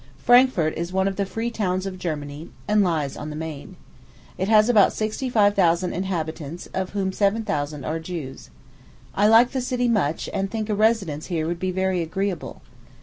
Frankfort is one of the free towns of Germany, and lies on the Maine. It has about sixty five thousand inhabitants, of whom seven thousand are Jews. I like the city much, and think a residence here would be very agreeable.